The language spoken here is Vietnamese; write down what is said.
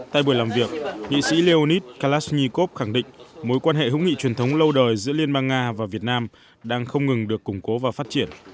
tại buổi làm việc nghị sĩ leoonid kalashnikov khẳng định mối quan hệ hữu nghị truyền thống lâu đời giữa liên bang nga và việt nam đang không ngừng được củng cố và phát triển